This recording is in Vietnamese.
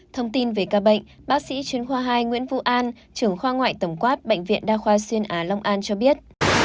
thông tin về ca bệnh bác sĩ chuyên khoa hai nguyễn vũ an trưởng khoa ngoại tổng quát bệnh viện đa khoa xuyên á long an cho biết